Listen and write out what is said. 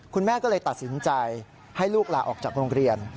คุณแม่ก็เลยตัดสินใจให้ลูกลาออกจากโรงเรียน